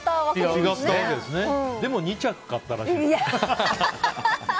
でも２着買ったらしい。